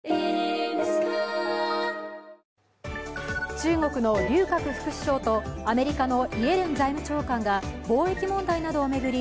中国の劉鶴副首相とアメリカのイエレン財務長官が貿易問題などを巡り